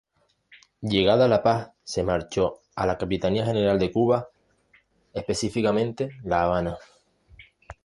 Llegada la paz, se marchó a la Capitanía General de Cuba específicamente La Habana.